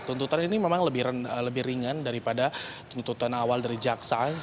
tuntutan ini memang lebih ringan daripada tuntutan awal dari jaksa